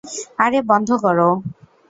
আরে বন্ধ করো।